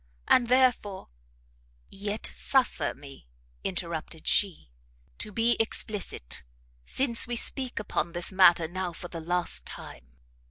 and therefore " "Yet suffer me," interrupted she, "to be explicit, since we speak upon, this matter now for the last time.